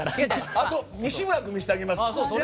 あと、西村君のも見せてあげます。